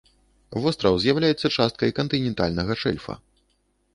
Востраў з'яўляецца часткай кантынентальнага шэльфа.